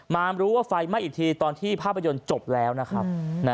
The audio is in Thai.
มารู้ว่าไฟไหม้อีกทีตอนที่ภาพยนตร์จบแล้วนะครับ